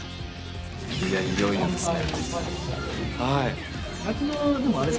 いやいよいよですね。